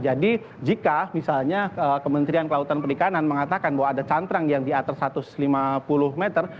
jadi jika misalnya kementerian kelautan perikanan mengatakan bahwa ada cantrang yang di atas satu ratus lima puluh meter